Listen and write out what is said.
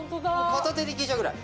片手で切れちゃうぐらい。